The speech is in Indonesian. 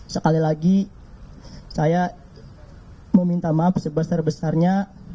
sekali lagi saya meminta maaf sebesar besarnya